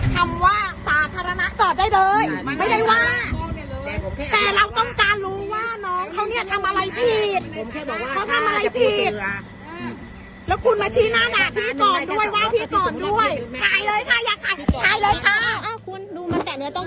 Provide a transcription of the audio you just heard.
ทำว่าศาสตรรนะตอบได้เลยไม่ได้ว่าแต่เราต้องการรู้ว่าน้อง